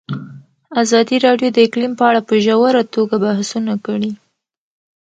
ازادي راډیو د اقلیم په اړه په ژوره توګه بحثونه کړي.